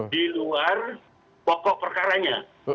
di luar pokok perkaranya